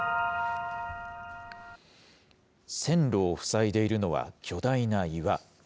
線路を塞いでいるのは、巨大な岩。